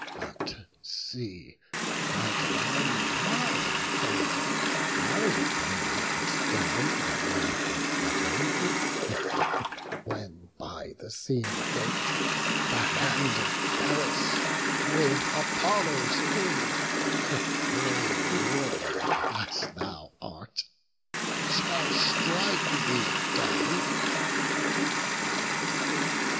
But see that on thy head I bring not down The wrath of Heav'n, when by the Scaean gate The hand of Paris, with Apollo's aid, Brave warrior as thou art, shall strike thee down."